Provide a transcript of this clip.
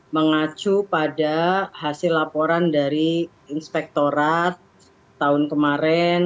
mengacu pada hasil laporan dari inspektorat tahun kemarin